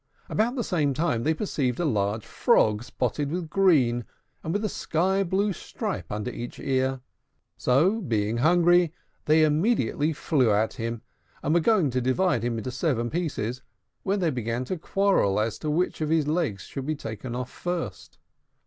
About the same time they perceived a large frog, spotted with green, and with a sky blue stripe under each ear. So, being hungry, they immediately flew at him, and were going to divide him into seven pieces, when they began to quarrel as to which of his legs should be taken off first.